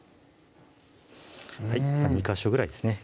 ２ヵ所ぐらいですね